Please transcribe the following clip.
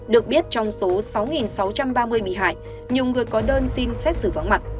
được biết trong số sáu sáu trăm ba mươi bị hại nhiều người có đơn xin xét xử vắng mặt